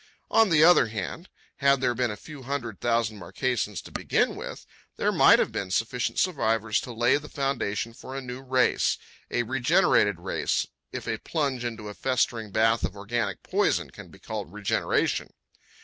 On the other hand, had there been a few hundred thousand Marquesans to begin with, there might have been sufficient survivors to lay the foundation for a new race—a regenerated race, if a plunge into a festering bath of organic poison can be called regeneration.